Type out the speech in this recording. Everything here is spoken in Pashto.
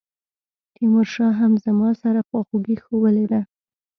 تیمورشاه هم زما سره خواخوږي ښودلې ده.